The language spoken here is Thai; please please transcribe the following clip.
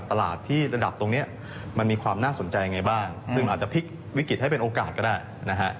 ตลาดที่ระดับตรงนี้มันมีความน่าสนใจยังไงบ้างซึ่งอาจจะพลิกวิกฤตให้เป็นโอกาสก็ได้นะฮะ